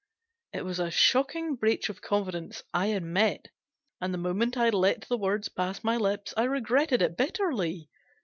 It was a shocking breach of confidence, I admit ; and the moment I'd let the words pass my lips I regretted it bitterly.